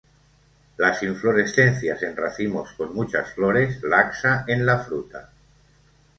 Las inflorescencias en racimos con muchas flores, laxa en la fruta.